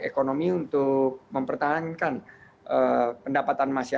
ekonomi untuk mempertahankan pendapatan masyarakat atau malahan bisa mengambil peluang jadi tantangannya